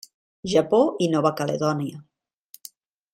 Japó i Nova Caledònia.